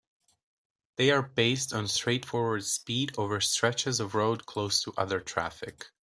They are based on straightforward speed over stretches of road closed to other traffic.